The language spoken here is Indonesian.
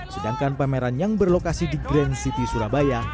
sedangkan pameran yang berlokasi di grand city surabaya